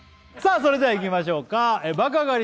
それではいきましょうか爆上がり